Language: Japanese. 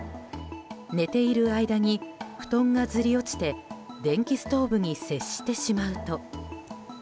寝ている間に布団がずり落ちて電気ストーブに接してしまうと。